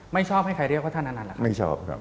ไม่ชอบให้ใครเรียกว่าท่านอะนันไม่ชอบเพราะอะไรนะครับ